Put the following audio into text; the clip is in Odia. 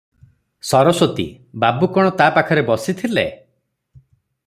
ସରସ୍ୱତୀ - ବାବୁ କଣ ତା ପାଖରେ ବସିଥିଲେ?